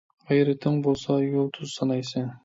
غەيرىتىڭ بولسا يۇلتۇز سانايسەن.